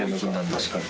確かに。